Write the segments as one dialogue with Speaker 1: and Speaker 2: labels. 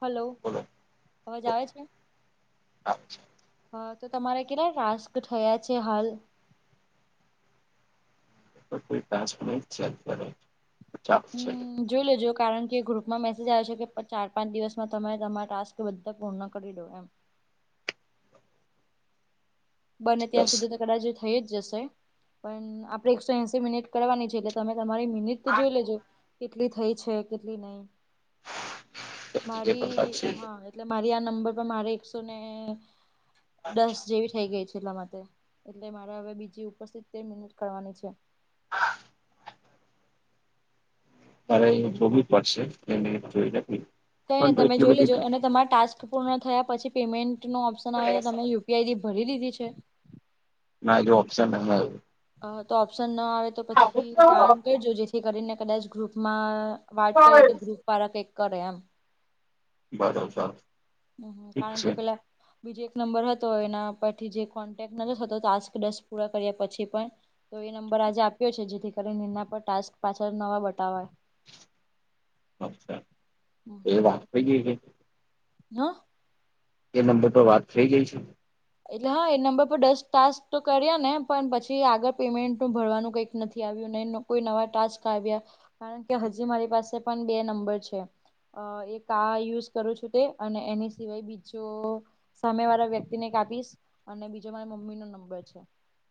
Speaker 1: Hello
Speaker 2: બોલો
Speaker 1: અવાજ આવે છે
Speaker 2: હા
Speaker 1: હા તો તમારે કેટલા ટસ્ક થયા છે હાલ
Speaker 2: કોઈ પાંચ મ છે ચાલ છે
Speaker 1: હમ જોઈ લેજો કારણ કે ગ્રુપમાં મેસેજ આવે છે કે ચાર પાંચ દિવસમાં તમે તમારા ટાસ્ક બધા પૂર્ણ કરી દો એમ બંને ત્યાં
Speaker 2: બસ
Speaker 1: સુધી તો કદાચ થઈ જ જશે પણ આપડે એકસો એસી મિનિટ કરવાની છે એટલે તમે તમારી મિનિટ જોઈ લેજો કેટલી થઈ છે કેટલી નહી
Speaker 2: [unintelligible]
Speaker 1: મારી
Speaker 2: પ્રકાર છે
Speaker 1: હા એટલે મારી આ નંબર પર મારે એકસો ને દસ જેવી થઈ ગઈ છેલ્લા માટે એટલે મારે હવે બીજી ઉપસ્થિત તેર મિનિટ કરવાની છે
Speaker 2: ત્યારે જોવવી પડશે એને જોઈ નાખવી
Speaker 1: તોઈને તમે જોઈ લેજો અને તમારા ટાસ્ક પૂર્ણ થયા પછી પેમેન્ટ નો ઓપ્શન આવે તો તમે યુ પી આઈ ડી ભરી દીધી છે
Speaker 2: ના એ ઓપ્શન એ
Speaker 1: તો ઓપ્શન ન આવે તો પછી જાણ
Speaker 2: બરોબર
Speaker 1: કરજો જેથી કરીને કદાચ ગ્રુપમાં વાત કરીએ તો ગ્રુપ વાળ કક કરે એમ
Speaker 2: બદલ ચાલ
Speaker 1: હમ હ કારણ કે પેલા બીજો એક નંબર હતો એના પરથી જે કોન્ટેક્ટ ન હતો ટાસ્ક દસ પૂરા કર્યા પછી પણ તો એ નંબર આજે આપ્યો છે જેથી કરીને નિના પર ટાસ્ક પાછળ નવા બતાવાય.
Speaker 2: અચછા એ વાખવવી છે.
Speaker 1: હા.
Speaker 2: એ નંબર પર વાત થઈ ગઈ છે.
Speaker 1: એટલે હા એ નંબર પર દસ ટાસક તો કર્યા ને પણ પછી આગળ પેમેન્ટનું ભરવાનું કંઈક નથી આવ્યું ને એનું કો નવા ટાચક આવ્યા કારણ કે હજી મારી પાસે પણ બે નંબર છે. અ એક આ યુઝ કરું છું તે અને એની સિવાય બીજો સામે વાળા વ્યક્તિ ને કાપીશ અને બીજો મારા મમ્મી નો નંબર છે.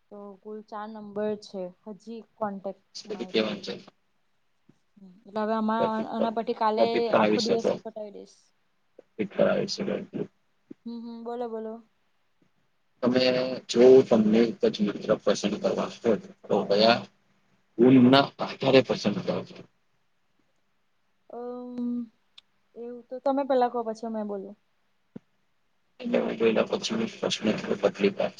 Speaker 1: તો કુલ ચાર નંબર છે હજી કોન્ટેક્ટ
Speaker 2: એથી કેવાનુ છે.
Speaker 1: એટલે હવે અમા એના પી કાલે આખો દિવસ ફટાવી દઈશ.
Speaker 2: ક [unintelligible] છે
Speaker 1: હમ હમ બોલો બોલો.
Speaker 2: તમે જો તમને કજ તરફ પસંદ કરવા છ તો ગયા. ઉના આધારે પસ
Speaker 1: અમ એવું તો તમે પેલા કહો પછો મેં બોલું.
Speaker 2: એ જોયલા પછી પ પતરી પા [unintelligible]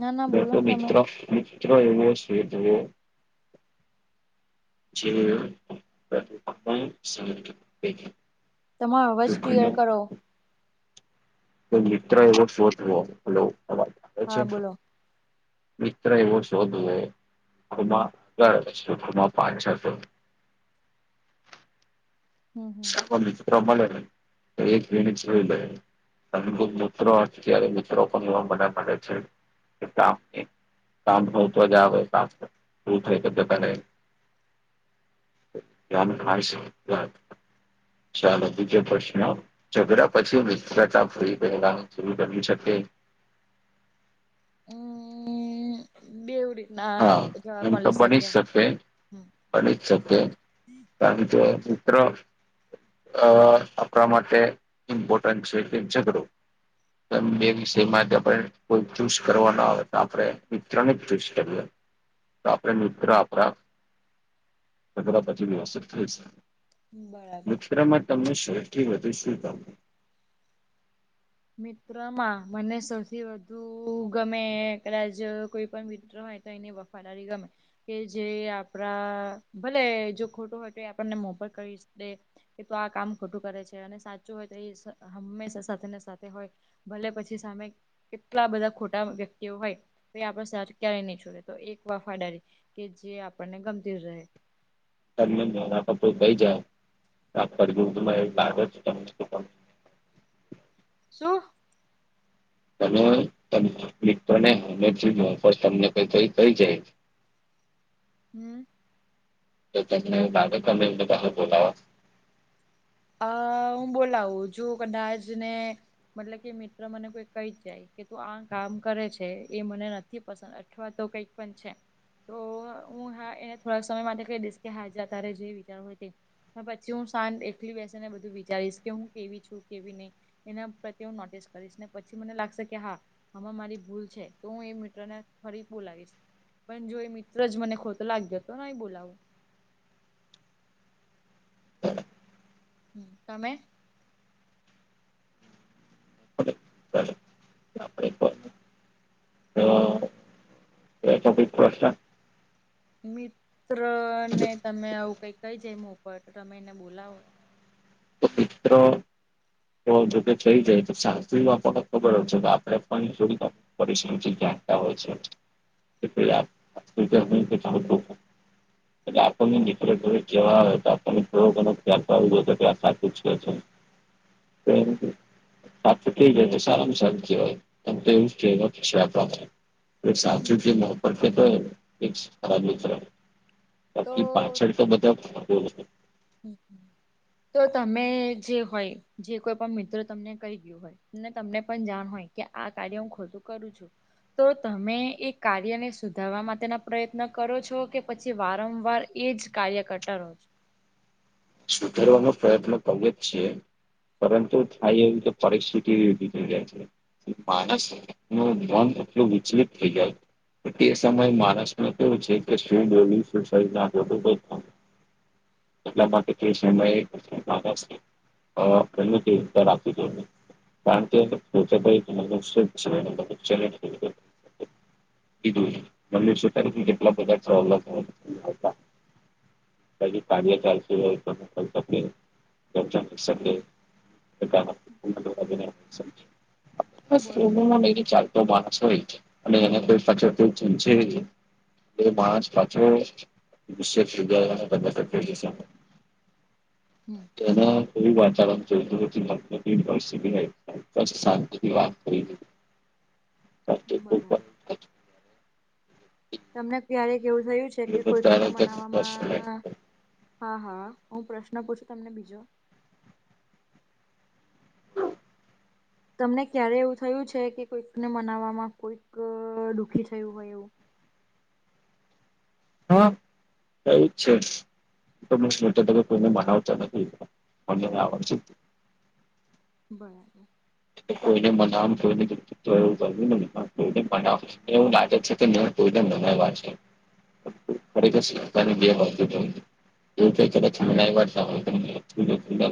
Speaker 1: ના ના બોલો
Speaker 2: બેટો
Speaker 1: ને તમે
Speaker 2: મિત્ર મિત્ર એવો છે તઓ. જે [unintelligible] શરીર પેટે
Speaker 1: તમારો અવાજ ક્લિયર કરો.
Speaker 2: તો મિત્ર એવો શોધલો આ વાત આવે
Speaker 1: હા
Speaker 2: છે.
Speaker 1: બોલો
Speaker 2: મિત્ર એવો શોધવુંમાં કર શખમાં પાછા શોધે છે.
Speaker 1: હમ હમ
Speaker 2: પ્રમાણે એક લણી અદભૂત મૂિત્રો અત્યારે મિત્રો પણ એવા મધા માટે છે કે કામ સાંપ ન ઉઠવા જાવય સાંપ ઉથે તો તો પલે કામ થાય છે [unintelligible] ચાલો બીજા પ્રશ્ન ઝઘડા પછી મિત્રતા ફરી ગેલા શ કરી શકે.
Speaker 1: હમ બેવી રીતના
Speaker 2: હા
Speaker 1: જવાબ મળી શકે. હમ
Speaker 2: કરી જ શકે કારણ જો મિત્ર અ આપણા માટે ઇમ્પોર્ટન્ટ છે તેમ છેઘડું તમે બે વિષયમાં જ પણ કોઈ ચૂસ કરવા ન આવે તો આપડે વિ ત્રણ જ ચૂઝ કરીએ. તો આપડે મિત્ર આપણા તગ પછી વ્યવસ્ત થઈ શ
Speaker 1: બરાબર
Speaker 2: મિત્રમાં તમને શહેરથી વધુ શું કું.
Speaker 1: મિત્રમાં મને સૌથી વધુ ગમે કદાચ કોઈ પણ મિત્ર હોય તો એને વ પડારી ગમે. કે જે આપણા ભલે જો ખોટું હોય તો એ આપણને મોફર કરી દે કે તો આ કામ ખોટું કરે છે અને સાચું હોય તો એ હંમેશા સાથે ને સાથે હોય ભલે પછી સામે કેટલા બધા ખોટા વ્યક્તિઓ હોય. તો એ આપડ સ ક્યારેય નહી છોડે તો એક વફાદારી કે જે આપણને ગમતી જ રહે.
Speaker 2: તમને મોના પપ ગઈ જાય રારું બધ
Speaker 1: શું.
Speaker 2: ત તને હમેથી મોફત તમને કઈ કઈ કઈ જાય.
Speaker 1: હમ.
Speaker 2: તો તમે કમેન્ટ પા બોલાવા.
Speaker 1: અ હું બોલાવું છું કદાચ ને મતલબ કે મિત્ર મને કોઈ કઈ જાય. કે તું આ કામ કરે છે એ મને નથી પસંદ અથવા તો કઈક પણ છે. તો હું હા એને થોડાક સમય માટે કહી દઈશ કે હાજ તારે જે વિચાર હોય તે હ પછી હું શાંત એલી બેસી ને બધું વિચારીશ કે હું કેવી છું કેવી નહી. એના પ્રત્યે હું નોટિસ કરીશ ને પછી મને લાગશે કે હા. હમાં મારી ભૂલ છે તો હું એ મિતટ્રને ફરી બું લાગીશ પણ જો એ મિત્ર જ મને ખોત લાગ્યો હતો નહી બોલાવો હમ તમે
Speaker 2: પડે ચાલો આપણે પણ તો એ ટપિક પ્ર
Speaker 1: મિત્ર ને તમે આવું કઈ કઈ જાયમ ઉપ તમે એને બોલાવો
Speaker 2: તો મિત્રો તો જોકે થઈ જાય તો સાચ ફખત ખબર હ છે કે આપડે પણ જોડી જ પરશ જે જે આ હોય છે આ ખ [inaudible] એટલે આપણને ડફરેરે જવા તો આપણને થોડો ઘણ ખ્યાલ કર આવવ જો તો કે આ સાચું છે છે હ જ પ્રાપ્ત થઈ જ તો સારામાં સારુ કેવાય હોય તમ તો એવું ક પ્ર [unintelligible] એક સા સુ તો એક સાર મ્ર
Speaker 1: તો
Speaker 2: છડકો બધા
Speaker 1: તો તમે જે હોય જે કોઈ પણ મિત્ર તમને કહી ગયું હોય તમને પણ જાણ હોય કે આ કાર્ય હું ખોટું કરું છું તો તમે એ કાર્યને સુધારવા માટેના પ્રયત્ન કરો છો કે પછી વારંવાર એજ કાર્ય કરતા રહો છે
Speaker 2: સુધારવાનો પ્રયત્ન કરીએ જ છીએ પરંતુ થાય એવીું કે પરરીક્ષથિત કેવી બી થઈ જાય છે માણસ નું મન એટલું વિચલિત થઈ જાય છે. તે સમય માળસને કેવું છે કે શું વોલવુ શું સ [unintelligible] ના, એટલા માટે કે છે હ પેલું છે આપી છેું એને કારણ કે પોતે ભ [unintelligible] સ્વચ્છ રહેવું અને ચેલેન્જ કરી દેવું, મમ વિ તારીખ કેટલા પદાટસ કાર્ય ચાલ વવનીસંગે
Speaker 1: બરોબર
Speaker 2: ચાલ તો માણસ હોય અને એને કોઈ ફચત ચૂચ એ માણસ પાછો વિ વિદ્યાલનેદશે
Speaker 1: હમ
Speaker 2: ના કોઈ વાતાવરણ ચોતું હો ુનિવર્સિટી પછી શાંતિની વાત કરીએ, આ ટોપિક
Speaker 1: બરાબર
Speaker 2: પર,
Speaker 1: તમને ક્યારેક એવું થયું છે કે કોઈકને મનાવામાં, હા હા હું પ્રશ્ન પૂછું તમને બીજો તમને ક્યારે એવું થયું છે કે કોઈકને મનાવવામાં કોઈક દુઃખી થયું હોય એવું
Speaker 2: હા એવું જ છે કોને મનાવતા નથીને આ છે
Speaker 1: બરાબર
Speaker 2: તો કોઈને મનામ કોઈને વ્યક્તિત્વ એવું કોઈને મનાવ એવું લાગે છે કે કોઈને બનાવ્યા છે ખરેક શની ગ એવું ક કદચ મનાને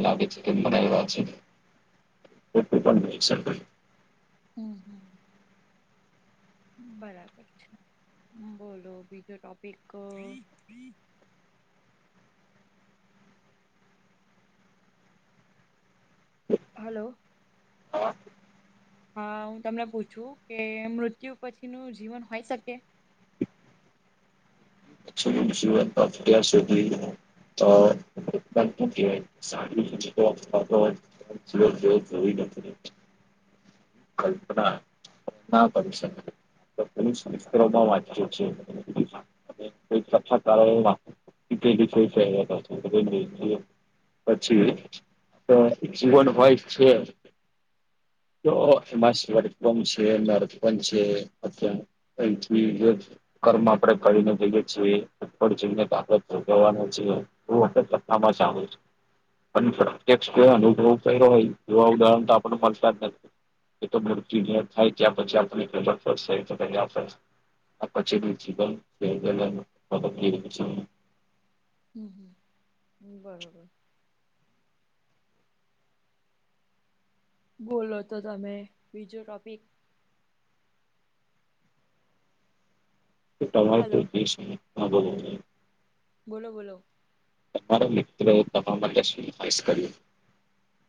Speaker 2: લાગે છે કે મ વાત [unintelligible] છે. ઓકે બ
Speaker 1: હમ હમ બરાબર છે બોલો બીજો ટોપિક હલો
Speaker 2: ઓ
Speaker 1: હા હું તમને પૂછું કે મૃત્યુ પછી નુ જીવન હોય શકે.
Speaker 2: જીવનત્યા સુધી [unintelligible] [unintelligible] [unintelligible] [inaudible] વાંચ્યો છે. [unintelligible] પછી જીવન હોય છે. તો એમાં શપમ છે નર્દપન છે અ પહીથી એક કર્મ આપડે કરીને થઈ [unintelligible] પણ પ્રત્યક્ષ કો અનુભવ કર્યો હોય એવા ઉદાહરણ તો આપણને મળતા જ નથી. [unintelligible] પછી [unintelligible]
Speaker 1: હમ હમ હ બરોબર બોલો તો તમે બીજું ટોપિક. હલો
Speaker 2: [unintelligible]
Speaker 1: બોલો બોલો
Speaker 2: તમારો મિત્રો તમા માટે શું ખાસ કર્યું?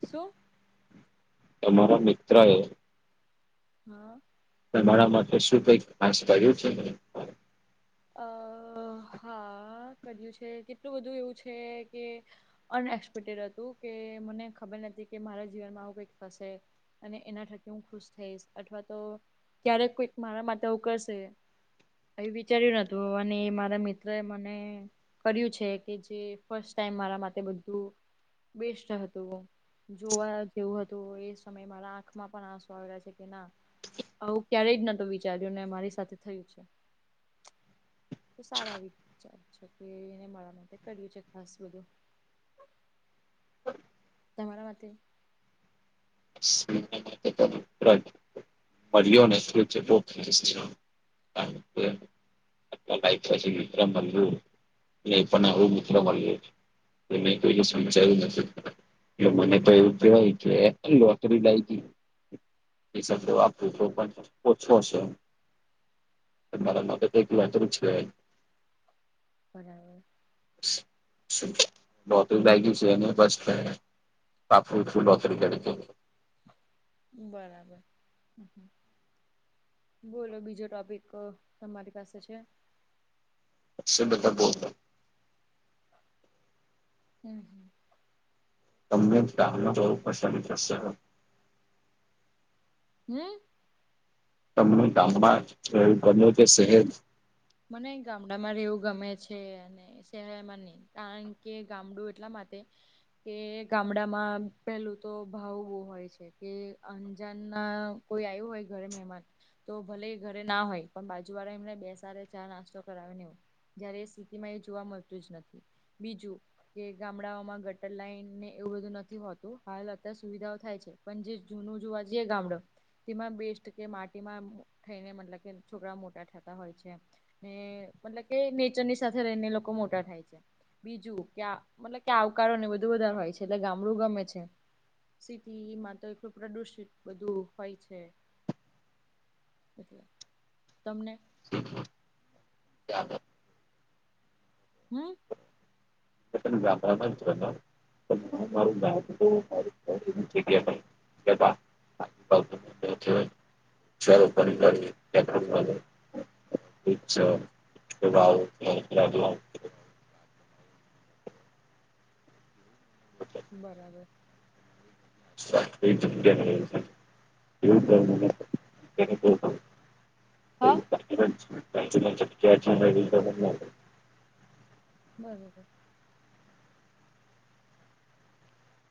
Speaker 1: સું?
Speaker 2: તમારા મિત્ર એ...
Speaker 1: હા.
Speaker 2: તમારા માટે શું કઈક આશ પડ્યું છે? [unintelligible]
Speaker 1: અ હા કર્યું છે, કેટલું બધું એવું છે, કે. અનએક્સપેક્ટેડ હતું, કે મને ખબર નથી કે મારા જીવનમાં આવું કંઈક થશે. અને એના થકી હું ખુશ થઈશ, અથવા તો ક્યારેક કોઈક મારા માટે આવું કરશે. એ વિચાર્યું નતું અને મારા મિત્ર એ મને. કર્યું છે, કે જે ફસ્ટ ટાઈમ મારા માટે બધું બેસ્ટ હતું. જોવા જેવું હતું, એ સમય મારા આંખમાં પણ આંસો આવયા છે કે ના. આવું ક્યારેય જ નતુ વિચાર્યું ને મારી સાથે થયું છે. તો સારા આવી વિચારજ છે, કે એને માળા માટે કર્યું છે, ખાસ બધું. તમારા માટે.
Speaker 2: [inaudible] મળ્યો ને [unintelligible] [unintelligible] [unintelligible] એ મેં કોઈને સમજાયું નથી. એ મને તો એવું કહેવાય કે લોટરી લાઈ [unintelligible] તો પણ ઓછો છે, અમારા માટે [unintelligible] વાત છે.
Speaker 1: બરાબર.
Speaker 2: [unintelligible] એને બસ. [unintelligible]
Speaker 1: બરાબર. બોલો બીજો ટોપિક તમારી પાસે છે?
Speaker 2: [unintelligible]
Speaker 1: [unintelligible]
Speaker 2: [unintelligible]
Speaker 1: હમ્મ
Speaker 2: તમને [unintelligible] કે શહેર?
Speaker 1: મને ગામડામાં રહેવું ગમે છે, અને. શહેર માં નહી કારણ કે, ગામડું એટલા માટે. કે ગામડામાં પેલું તો ભાવવું હોય છે. કે અંજાન માં કોઈ આવ્યું હોય ઘરે મહેમાન તો ભલે એ ઘરે ના હોય પણ બાજુ વાળા એમને બેસાડે. ચા નાસ્તો કરાવી જયારે એ સ્થિતિમાં એ જોવા મળતું જ નથી બીજું કે ગામડાઓમાં ગટર લાઈન ને એવું બધું નથી હોતું, હાલ અત્યારે સુવિધાઓ થાય છે. પણ જે જુનું જુવા ગામડ તેમાં બેસ્ટ કે માટીમાં થઈને મતલબ કે છોકરા મોટા થતા હોય છે. ને મતલબ કે નેચરની સાથે રહીને લોકો મોટા થાય છે. બીજું ક્યા મતલબ કે આવકારો ને બધું વધધારે હોય છે, એટલે ગામડું ગમે છે. સિટીમાં તો એટલું પ્રદુષિત બધું હોય છે.
Speaker 2: [inaudible]
Speaker 1: [unintelligible] તમને
Speaker 2: [unintelligible]
Speaker 1: હમ્મ
Speaker 2: [unintelligible] [inaudible] [unintelligible] [unintelligible]
Speaker 1: બરાબર.
Speaker 2: [unintelligible]
Speaker 1: હા
Speaker 2: [unintelligible]
Speaker 1: બરોબર